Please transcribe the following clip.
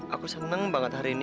aku senang banget hari ini